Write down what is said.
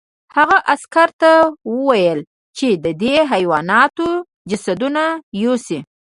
هغه عسکر ته وویل چې د دې حیواناتو جسدونه یوسي